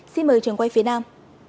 xin mời trường quay phía nam